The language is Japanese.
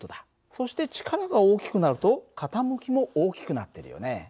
そして力が大きくなると傾きも大きくなってるよね。